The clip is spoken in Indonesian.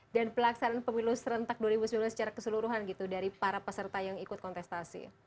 dan pelaksanaan pemilu serentak dua ribu sembilan belas secara keseluruhan dari para peserta yang ikut kontestasi